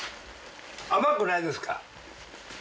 甘くないですか？